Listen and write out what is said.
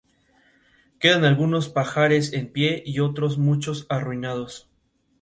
McCann, David R. "Form and Freedom in Korean Poetry".